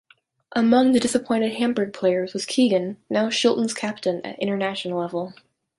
Among the disappointed Hamburg players was Keegan, now Shilton's captain at international level.